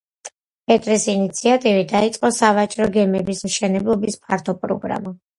პეტრეს ინიციატივით დაიწყო სავაჭრო გემების მშენებლობის ფართო პროგრამა.